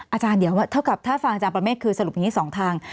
อาจารย์เดี๋ยวเท่ากับถ้าฟังอาจารย์ประเมฆคือสรุปอย่างนี้๒ทาง